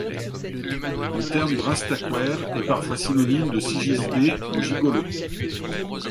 Le terme de rastaquouère est parfois synonyme de sigisbée ou gigolo.